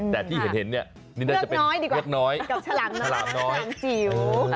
แต่ที่เห็นนี่จะเป็นเงือกน้อยกับชลามน้อยชลามจิ๋ว